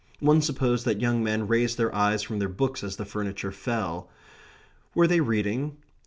One supposed that young men raised their eyes from their books as the furniture fell. Were they reading?